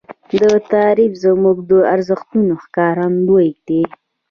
دا تعریف زموږ د ارزښتونو ښکارندوی دی.